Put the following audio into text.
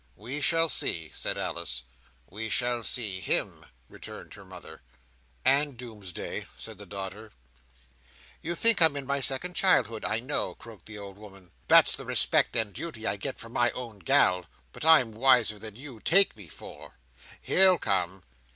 "We shall see," said Alice. "We shall see him," returned her mother. "And doomsday," said the daughter. "You think I'm in my second childhood, I know!" croaked the old woman. "That's the respect and duty that I get from my own gal, but I'm wiser than you take me for. He'll come.